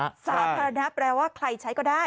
สาธารณะแปลว่าใครใช้ก็ได้